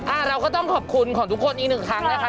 เราก็ต้องขอบคุณของทุกคนอีกหนึ่งครั้งนะคะ